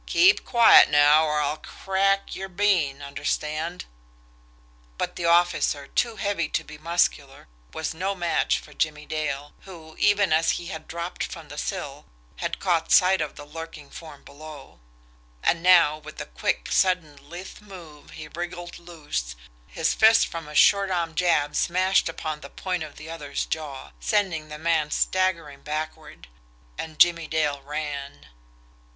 "Keep quiet now, or I'll crack your bean understand!" But the officer, too heavy to be muscular, was no match for Jimmie Dale, who, even as he had dropped from the sill, had caught sight of the lurking form below; and now, with a quick, sudden, lithe movement he wriggled loose, his fist from a short arm jab smashed upon the point of the other's jaw, sending the man staggering backward and Jimmie Dale ran.